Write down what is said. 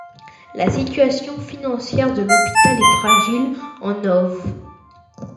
La situation financière de l'hôpital est fragile, en nov.